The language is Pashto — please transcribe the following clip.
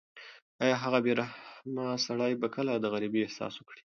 ایا هغه بې رحمه سړی به کله د غریبۍ احساس وکړي؟